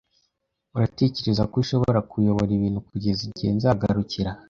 Uratekereza ko ushobora kuyobora ibintu kugeza igihe nzagarukira?